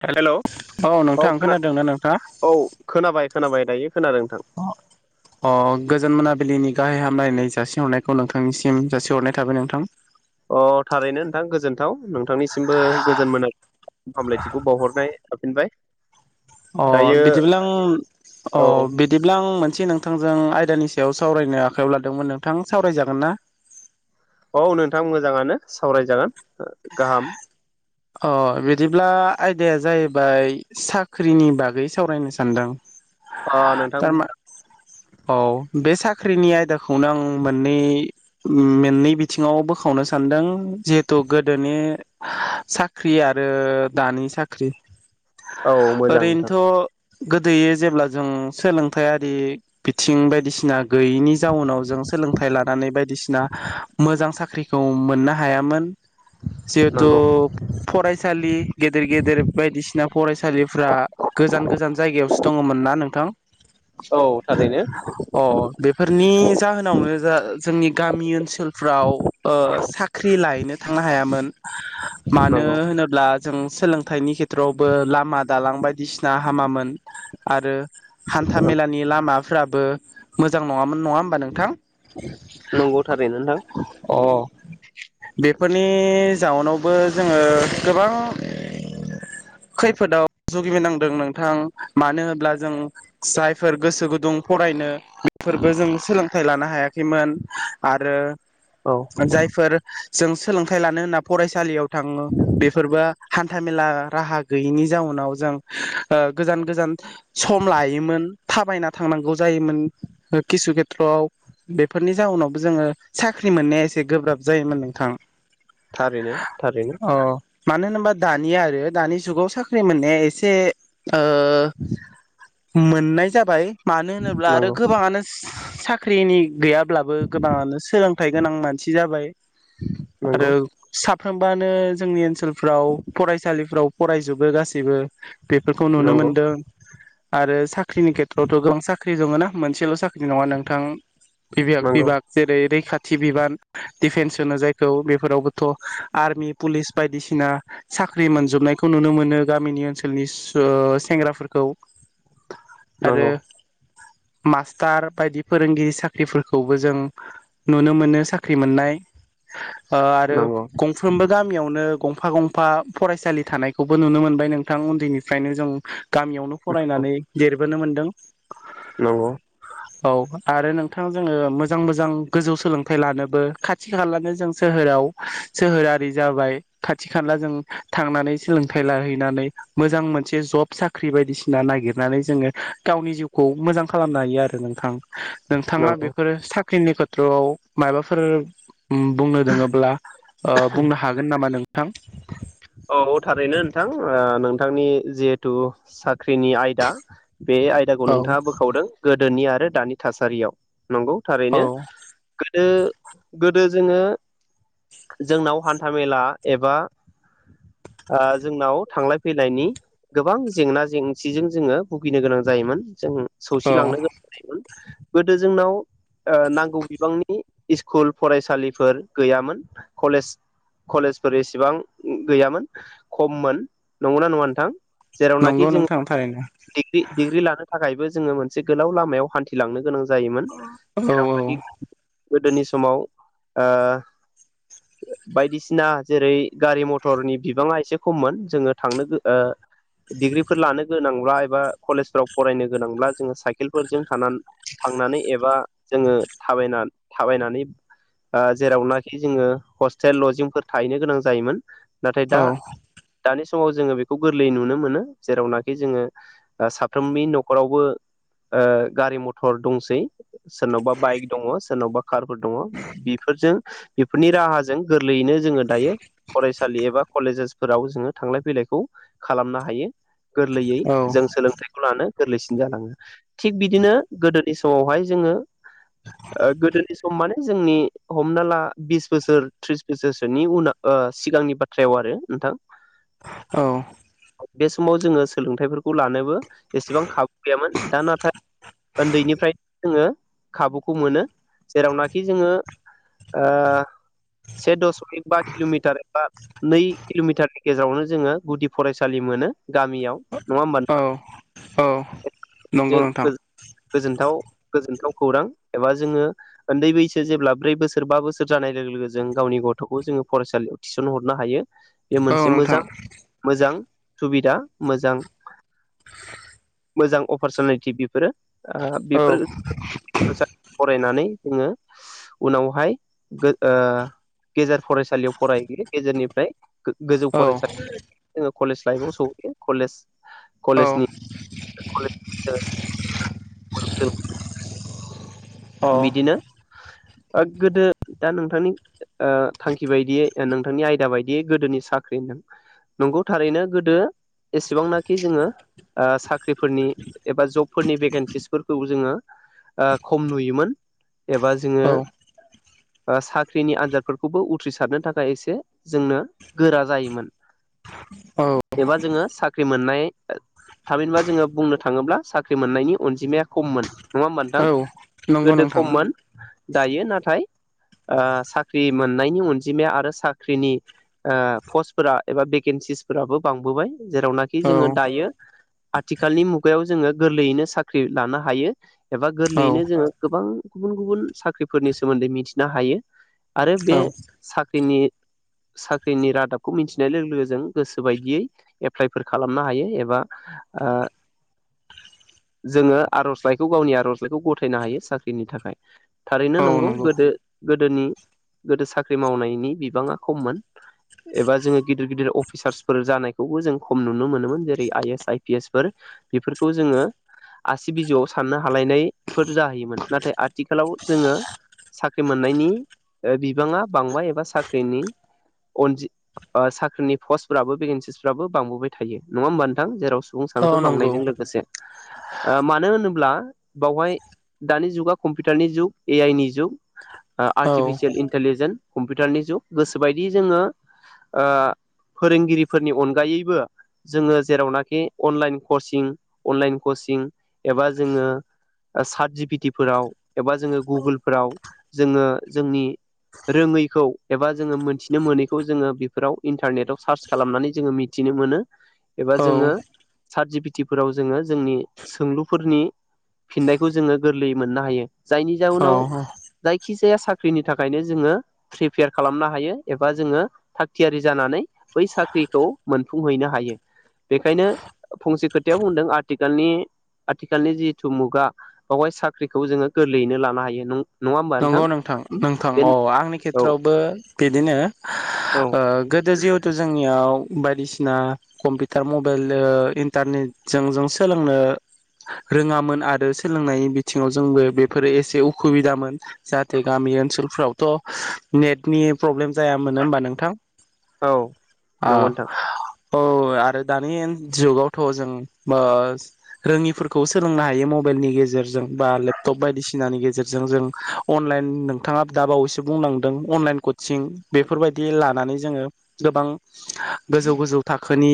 ‌ Hello [unintelligible] औ नोंथा खोनादोंना नोंथाङा औ खोनाबाय खोनाबाय दायो खोनादों नोंथां [inaudible] अ गोजोन मोनाबिलिनि गाहाय हामलायनाय जासिहरनायखौ नोंथांनिसिम जासिहरनाय थाबाय नोंथां। अ थारैनो नोंथां गोजोनथाव नोंथांनिसिमबो गोजोन मोना [unintelligible] हामलायथिखौ बावहरनाय थाफिनबाय। अ दायो बिदिब्ला आं अ औ बिदिब्ला आं मोन से नोंथांजों आयदानि सायाव सावरायनो आखायाव लादोंमोन नोंथां सावरायजागोन ना? औ नोंथां मोजाङानो सावरायजागोन गाहाम अ बिदिब्ला आयदाया जाहैबाय साख्रिनि बागै सावरायनो सानदों। अ नोंथां तामा मोजां औ बे साख साख्रिनि आयदाखौनो आं मोननै मेननै बिथिङाव बोखावनो सानदों जिहेथु गोदोनि साख ख्रि आरो दानि साख्रि औ मोजां नोंथां गोदोयै जेब्ला जों सोलोंथायारि बिथिं बायदिसिना गैयैनि जाउनाव जों सोलोंथाइ लानानै बायदिसिना मोजां साख्रिखौ मोननो हायामोन। जिहेतु नंगौ फरायसालि गेदेर गेदेर बायदिसिना फरायसालिफ्रा गोजान गोजान जायगायावसो दङमोन ना नोंथां? औ थारैनो अ बेफोरनि जाहोनावनो जा जोंनि गामि ओनसोलफ्राव ओ साख्रि लहैनो थांनो हायामोन। मानो नंगौ होनोब्ला जों सोलोंथाइनि खेथ्रआवबो लामा दालां बायदिसिना हामामोन आरो हान्था मेलानि लामाफ्राब ओ मोजां नङाम मोन नङा ओमबा नोंथां नंगौ थारैनो नोंथां अ बेफोरनि जाउनावबो जोङो गोबां खैफोदाव जुगिबिनांदों नोंथां मानो होनब्ला जों जायफोर गोसो गुदुं फरायनो बेफोरबो जों सोलों थाइ लानो हायाखैमोन आरो औ जायफोर जों सोलोंथाइ लानो होनना फरायसालियाव थाङो बेफोरबा हान्थाामेला राहा गैयिनि जाउनाव जों ओ गोजान गोजान सम लायोमोन थाबायना थांनांगौ जायोमोन किसु खेथ्रआव बेफोरनि जाउनावबो जोङो साख्रि मोननाया इसे गोब्राब जायोमोन नोंथां। थारैनो। थारैनो अ मानो होनोबा दानिया आरो दानि जुगाव साख्रि मोननाया एसे ओ मोननाय जाबाय। मानो होनोब्ला आरो नंगौ गोबाङानो साख्रिनि गैयाब ब्लाबो गोबाङानो सोलोंथाइ गोनां मानसि जाबाय नंगौ आरो साब बानो जोंनि ओनसोलफ्राव फरायसालिफ्राव फरायजोबो गासैबो। बेफोरखौ नुनो नंगौ मोनदों। आरो साख्रिनि खेथ्रआवथ' गोबां साख्रि दङ ना मोनसेल' साख्रि नङा नोंथां बिभेयाग नंगौ बिभाग जेरै रैखाथ थि बिबान दिडिफेन्स होनो जायखौ बेफोरावबोथ' आर्मि पुलिस बायदिसिना साख्रि मोनजोबनायखौ नुनो मोनो गामिनि ओनसोलनि स सेंग्राफोरखौ आरो नंगौ मास्टार बायदि फोरोंगिरि साख्रिफोरखौबो जों नुनो मोनो साख्रि मोननाय ओ आरो नंगौ साफ्रोमबो गामियावनो गंफा गंफा फरायसालि थानायखौबो नुनो मोनबाय नोंथां उन्दैनिफ्रायनो जों गामियावनो फरायनानै देर नुनो मोनदों नंगौ औ आरो नोंथां जोङो मोजां मोजां गोजौ सोलोंथाइ लानोबो खाथि खालानो जों सोहोराव सोहोरारि जाबाय खाथि खाला जों थांनानै सोलोंथाइ लाहैनानै मोजां मोनसे जब साख्रि बायदिसिना नागिरनानै जोङो गावनि जिउखौ मोजां खालामनो हायो आरो नोंथां नोंथाङा नंगौ बेफोरो सा साख्रिनि खेथ्रआव मायाबाफोर उम बुंनो दोङोब्ला ओ बुंनो हागोन नामा मा नोंथां औ थारैनो नोंथां ओ नोंथांनि जिहेथु साख्रिनि आयदा बे आयदाखौ औ नोंथाङा बोखावदों गोदोनि आरो दानि थासारियाव नंगौ औ थारैनो दो गोदो जोङो जोंनाव हान्थामेला एबा ओ जोंनाव थांलाय फैलायनि गोबां जेंना जेंसिजों जोङो भुगिनो गोनां जायोमोन जों औ सौसिलांनो गोनां जायोमोन। गोदो जोंनाव ओ नांगौ बिबांनि स्कुल फरायसालिफोर गैयामोन कलेज कलेजफोर एसेबां गैयामोन खममोन नंगौना नङा नोंथां। जेरावनाखि नंगौ जों नोंथां थारैनो। डिग्रि डिग्रि लानो। थाखायबो जोङो मोनसे गोलाव लामायाव हान्थिलांनो गोनां जायो। जायोमोन औ औ जेरावनाखि गोदोनि समाव ओ बायदिसिना जेरै गारि मथरनि बिबाङा एसे खममोन जोङो थांनो डिग्रिफोर लानो गोनां ल्बा एबा कलेजफ्राव फरायनो गोनांब्ला जोङो साइकेलफोरजों थानानै थांनानै एबा जोङो थाबायना थाबायनानै ओ जेरावनाखि जोङो हस्टेल लजिंफोर थाहैनो गोनां जायोमोन। नाथाय औ दा दानि समाव जोङो बेखौ गोरलैयै नुनो मोनो जेरावनाखि जोङो। ओ साफ्रोमनि न'खरावबो गारि मथर दंसै सोरनावबा बाइक दङ सोरनावबा कारबो दङ बिफोरजों बेफोरनि राहाजों लैनो जोंङो दायो फरायस सालि एबा कलेजेसफोराव जोंङो थांलाय फैलायखौ खालामनो हायो। गोरलैयै औ जों सोलोंथाइखौ लानो गोरलैसिन जालांङो थिग बिदिनो गोदोनि समावहाय जोंङो ओ गोदोनि सम माने जोंनि हमना ला बिस बोसोर त्रिस बोसोरसोनि उनाव ओ सिगांनि बाथ्रायाव आरो नोंथां औ बे समाव जोंङो सोलोंथाइ फोर खौ लानोबो एसेबां खाबु गैयामोन दा नाथाय ओन्दैनिफ्राय जोंङो खाबुखौ मोनो जेरावनाखि जोंङो ओ से दसमिक बा किल'मिटार एबा नै किल'मिटारनि गेजेरावनो जोंङो गुदि फरायसालि मोनो गामियाव। नंङा होमबा? औ औ नंगौ नोंथां गोजनथाव गोजोनथाव खौरां एबा जोंङो ओन्दै बैसो जेब्ला ब्रै बोसोर बा बोसोर जानाय लोगो लोगो जों गावनि गथ'खौ जोंङो फरायसालियाव थिसन हरनो हायो। बे औ मोनसे नोंथां मोजां मोजां सुबिदा मोजां मोजां अपारसुनैटि बेफोरो ओ औ बेफोर मोजां फरायनानै जोंङो उनावहाय गो ओ गेजेर फरायसालियाव फरायहैयो गेजेरनिफ्राय गो-गोजौ औ फरायसालियाव जोंङो कलेज लाइफआव सौहैयो कलेज औ कलेजनि [unintelligible] औ बिदिनो ओग गोदो दा नोंथांनि ओ थांखि बायदियै नोंथांनि आयदा बायदियै गोदोनि साख्रि होनदों नंगौ थारैनो गोदो एसेबां नाखि जोंङो साख्रिफोरनि एबा जब फोरनि भेकेन्सिस फोरखौ जोंङो ओ खम नुयो मोन एबा जोंङो ओ साख्रिनि आनजादफोरखौबो उथ्रिसारनो थाखाय एसे जोंनो गोरा जायोमोन औ एबा जोंङो साख्रि मोननाय थामिनबा जोंङो बुंनो थाङोब्ला साख्रि मोननायनि अनजिमाया खम मोन नंङा होनबा नोंथां? औ नंगौ गोदो नोंथां खम मोन दायो नाथाय ओ साख्रि मोननायनि अनजिमाया आरो साख्रिनि ओ पस्टफोरा एबा भेकन्सिस फोराबो बांबोबाय। जेरावनाखि औ जोंङो दायो आथिखालनि मुगायाव जोंङो गोरलैयैनो साख्रि लानो हायो। एबा औ गोरलैयैनो गोबां गुबुन गुबुन साख्रिफोरनि सोमोन्दै मिथिनो हायो। आरो बे साख्रिनि साख्रिनि रादाबखौ मिथिनाय लोगो लोगो जों, गोसो बायदियै एप्लाइफोर खालामनो हायो। एबा ओ जोङो आरजलाइखौ गावनि आरजलाइखौ ग गथायनो हायो साख्रिनि थाखाय। थारैनो नंगौ गोदो। गोदोनि गोदो साख्रि मावनायनि बिबाङा खममोन। एबा‌ जोंङो गिदिर गिदिर अफिसार्सफोर जानायखौबो जों खम नुनो मोनोमोन, जेरै I S I P S four बेफोरखौ जोङो आसि बिजौआव साननो हालायनाय फोर जाहैयोमोन नाथाय, आथिखालाव जोङो साख्रि मोननायनि बिबाङा बांबाय एबा साख्रिनि अजि साख्रिनि पस्टफ्राबो भेकेन्सिसफ्राबो बांबोबाय थायो नङा होमबा नोंथां? जेराव सुबुं औ सानखो नंगौ बांनायजों लोगोसे मानो होनोब्ला? बावहाय दानि जुगा कम्पिउटारनि जुग ए आइ नि जुग। औ आर्टिफिसियेल इन्टलिजेन्स। कम्पिउटारनि जुग गोसोबायदि जोङो फोरोंगिरिफोरनि अनगायैबो जोङो जेरावनाखि अनलाइन कचिं अनलाइन कचिं एबा जोङो सारथ जि पिे टि फोराव। एबा जोङो गुगोलफोराव। जोङो जोंनि, रोङैखौ एबा जोङो मोनथिनो मोनैखौ जोङो बेफोराव इन्टारनेटआव सार्च खालामनानै जोङो मिथिनो मोनो। एबा औ जोङो सारथ जि पि ति फोराव जोङो जोंनि सोंलुफोरनि फिननायखौ जोङो गोरलैयै मोननो हायो जायनि औ जउनाव जायखिजाया। फिसाया साख्रिनि थाखायनो जोङो। प्रिपेयार खालामनो हायो एबा जोङो थाग थियारि जानानै बै साख्रिखौ मोनफुंहैनो हायो, बेखायनो फंसे खोथायाव बुंदों आथिखालनि आथिखालनि जि मुगा बेावहाय साख्रिखौ जोङो गोरलैयैनो लानो हायो। नों नंगौ नोंथां नोंथां अ आंनि औ खेथ्रआवबो बिदिनो औ ओ गोदो जिहेथु जोंनियाव बायदिसिना कम्पिउटार मबाइल इन्टारनेटजों जों सोलोंनो रोङामोन आरो सोलों बिथिङाव जोंबो बेफोरो एसे उसुबिदामोन। जाहाथे गामि ओनसोलफ्रावथ नेटनि प्रब्लेम जायामोनो होमबा नोंथां। औ ओ नंगौ नोंथां। औ आरो दानि जुगावथ जों रोङिफोरखौ सोलोंनो हायो, मबाइलनि गेजेरजों बा लेपटप बायदिसिनानि गेजेरजों जों। अनलाइन नोंथाङा दा बावैसो बुंनांदों, अनलाइन कचिं बेफोरबायदि लानानै जोङो गोबां गोजौ गोजौ थाखोनी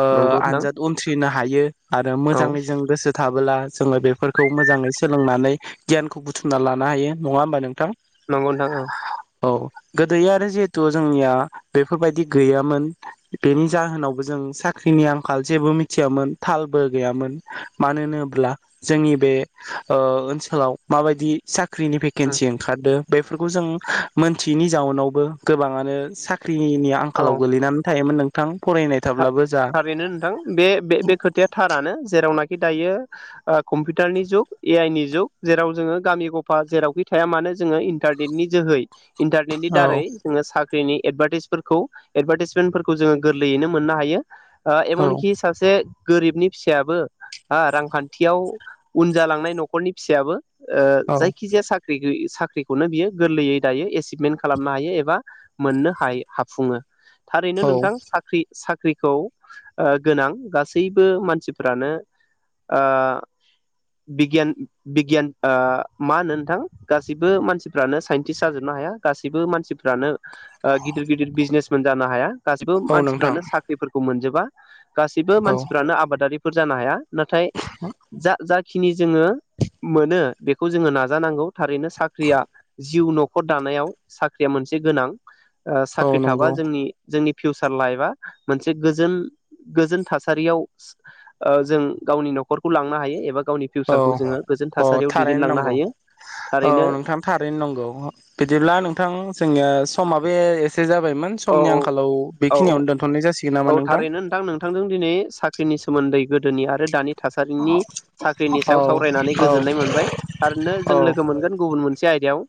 ओ नंगौ नोंथां आनजाद उनथ्रिना हायो। आरो औ मोजाङै जों गोसो थाब ला जोङो बेफोरखौ मोजाङै सोलोंनानै गियानखौ बुथुमना ला लानो हायो नङा होमबा नोंथां? ‍ नंगौ नोंथां। औ गोदो आरो जिहेथु जोंनिया बेफोरबायदि गैयामोन, बेनि जाहोनावबो जों साख्रिनि आंखाल जेबो मिथियामोन। थालबो गैयामोन मानो होनोब्ला जोंनि बे ओ ओनसोलाव माबायदि साख स्क्रिनि औ भेकेन्सि ओंखारदो बेफोरखौ जों मोनथियैनि जाउनावबो गोबाङानो साख्रि ख्रिनि आंखालाव गोलैनानै थायोमोन नों थां था-थारैनो नोंथां बे बे बे खोथाया थारानो जेरावनाखि दायो ओ कम्पिउटारनि जुग ए आइ नि जुग जेराव जोङो गामि गफा जेरावखि थाया मानो जोङो इन्टारनेटनि जोहै इन्टारनेटनि औ दारै जोङो साख ख्रिनि एडभाटाइसफोरखौ एडभाटाइबमेनफोरखौ जोङो गोरलैयैनो मोननो हायो ओ औ एमनखि सासे गोरिबनि फिसायाबो हो रांखान्थियाव उन जालांनाय न'खरनि फिसायाबो ओ औ जायखिजाया साख्रि गोयि साख्रिखौनो बियो गोरलैयै दायो एसिभमेन्ट खालामनो हायो एबा मोननो हायो हाफुङो थारैनो औ नोंथां साख्रि साख्रिखौ ओ गोनां गासैबो मानसिफ्रानो ओ बिगियान बिगियान ओ मा होनो नोंथां गासैबो मानसिफ्रानो साइन्टिस जाजोबनो हाया गासैबो मानसिफ्रानो ओ गिदिर गिदिर बिजनेसमेन जानो हाया गासिबो मान औ नोंथां मानसिफ्रानो साख्रिफोरखौ मोनजोब बा गासैबो औ मानसिफ्रानो आबादारि फोर जानो हाया नाथाय जा जा खिनि जोङो मोनो बेखौ जोङो नाजानांगौ थारैनो साख्रिया जिउ न'खर दानायाव साख्रिया मोनसे गोनां औ साख्रि थाबा नंगौ जोंनि जोंनि फिउसार लाइफ बा मोनसे गोजोन गोजोन थासारियाव ओ जों गावनि न'खरखौ लांनो हायो एबा गावनि औ फिउचारखौ जोङो गोजोन औ थासारियाव थारैनो दैदेनलांनो नंगौ हायो औ थारैनो नोंथां थारैनो नंगौ बिदिब्ला नोंथां जोंङो समाबे एसे जाब बायमोन औ समनि आंखालाव औ बेखिनियावनो दोनथ'नाय जासिग औ थारैनो नोंथां नोंथांजों दिनै साख्रि ख्रिनि सोमोन्दै गोदोनि आरो दानि थासारिनि साख्रिनि औ सायाव सावरायनानै औ गोजोननाय मोनबाय थारैनो औ जों लोगो मोनगोन गुबुन मोनसे मोनसे आयदायाव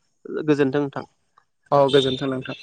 गोजोन्थों नोंथां औ गोजोन्थों नोंथां